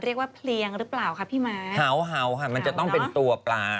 เรียกว่าเพลียงหรือเปล่าคะพี่ม้าเห่าเห่าค่ะมันจะต้องเป็นตัวปลา